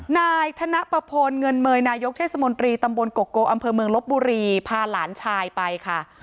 นายธนปะพลเงินเมย์นายกเทศมนตรีตำบลโกโกอำเภอเมืองลบบุรีพาหลานชายไปค่ะ